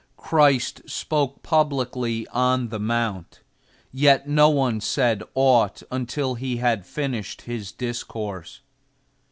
Christ spoke publicly on the mount, yet no one said aught until He had finished His discourse.